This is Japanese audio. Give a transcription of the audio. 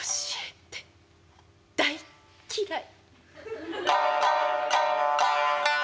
大っ嫌い。